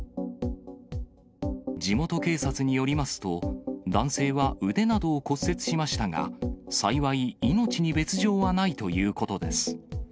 地元警察によりますと、男性は腕などを骨折しましたが、幸い命に別状はないということです。